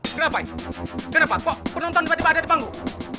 kenapa ini kenapa kok penonton tiba tiba ada di panggung